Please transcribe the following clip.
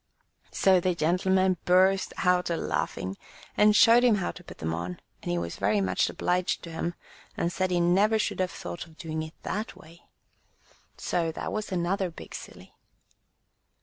'* So the gentleman burst out a laughing, and showed him how to put them on; and he was very much obliged to him, and said he never should have thought of doing it that way. So that was another big silly.